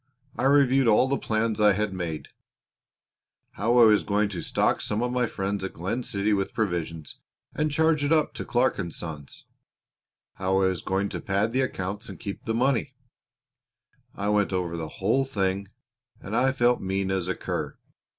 I reviewed all the plans I had made how I was going to stock some of my friends at Glen City with provisions and charge it up to Clark & Sons; how I was going to pad the accounts and keep the money I went over the whole thing, and I felt mean as a cur.